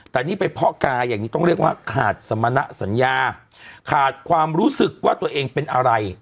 แต่นี่ไปเพาะกายอย่างนี้ต้องเรียกว่าขาดสมณะสัญญาขาดความรู้สึกว่าตัวเองเป็นอะไร